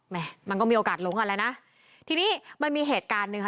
มันก็มีโอกาสหลงกันแล้วนะทีนี้มันมีเหตุการณ์หนึ่งค่ะ